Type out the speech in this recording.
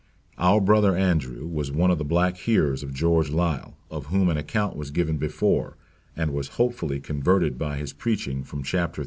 "Our Brother Andrew was one of the black hearers of George Liele," of whom an account was given before; and was hopefully converted by his preaching from chapter III.